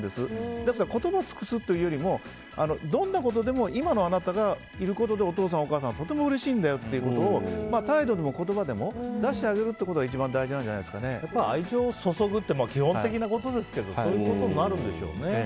だから言葉を尽くすというよりもどんなことでも今のあなたがいることでお父さん、お母さんはとてもうれしいんだよってことを態度でも言葉でも出してあげることが愛情を注ぐって基本的なことですけどそういうことになるんでしょうね。